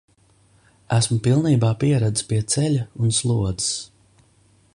Esmu pilnībā pieradis pie ceļa un slodzes.